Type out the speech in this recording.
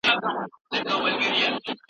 که رښتیا وي نو اختیار وي.